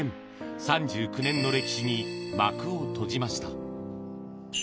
３９年の歴史に幕を閉じました。